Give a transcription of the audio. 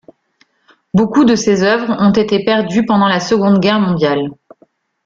Beaucoup de ses œuvres ont été perdues pendant la Seconde Guerre mondiale.